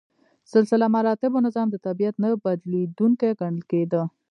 سلسله مراتبو نظام د طبیعت نه بدلیدونکی ګڼل کېده.